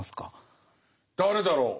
誰だろう。